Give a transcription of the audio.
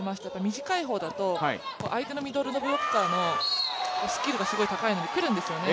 短い方だと相手のミドルのブロッカーのスキルがすごい高いのでくるんですよね、